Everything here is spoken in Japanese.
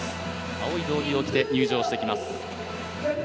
青い道着を着て入場してきます。